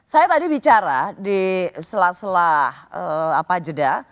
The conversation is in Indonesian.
saya tadi bicara di sela sela jeda